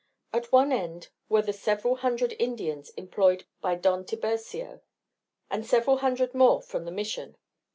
At one end were the several hundred Indians employed by Don Tiburcio, and several hundred more from the Mission.